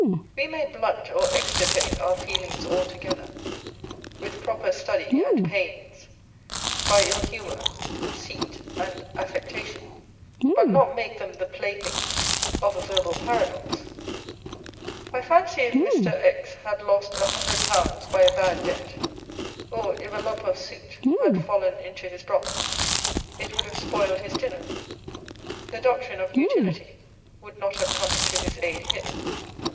We may blunt or extirpate our feelings altogether with proper study and pains, hy ill humour, conceit, and affec tation, but not make them the playthings of a verbal paradox. I fancy if Mr. had lost a hundred pounds . by a bad debt, or if a lump of soot had fallen into his broth, it would have spoiled his dinner. The doctrine of Utility would not have come to his aid here.